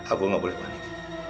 aku gak boleh panik